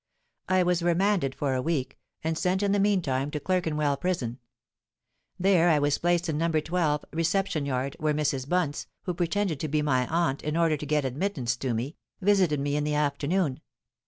I was remanded for a week, and sent in the meantime to Clerkenwell Prison. There I was placed in No. 12, Reception Yard, where Mrs. Bunce, who pretended to be my aunt in order to get admittance to me, visited me in the afternoon.